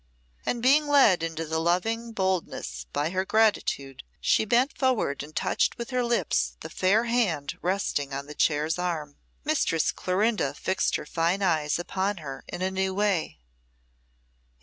And being led into the loving boldness by her gratitude, she bent forward and touched with her lips the fair hand resting on the chair's arm. Mistress Clorinda fixed her fine eyes upon her in a new way.